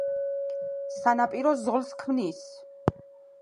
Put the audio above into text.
სანაპირო ზოლს ქმნის.